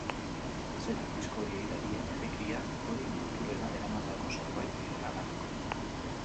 Zera, disko horiei darien energia hori, muturrera eramandako zerbait direla lanok.